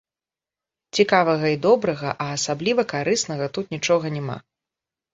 Цікавага і добрага, а асабліва карыснага тут нічога няма.